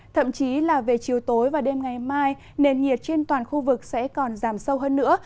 thậm chí là về chiều tối và đêm ngày mai nền nhiệt trên toàn khu vực sẽ còn giảm sâu hơn nữa